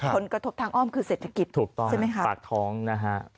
ผลกระทบทางอ้อมคือเศรษฐกิจใช่ไหมครับถูกต้อนปากท้องนะฮะ